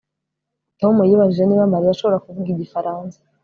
Tom yibajije niba Mariya ashobora kuvuga igifaransa